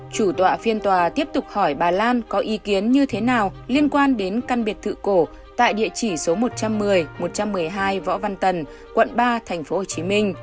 chủ tọa phiên tòa tiếp tục hỏi bà lan có ý kiến như thế nào liên quan đến căn biệt thự cổ tại địa chỉ số một trăm một mươi một trăm một mươi hai võ văn tần quận ba tp hcm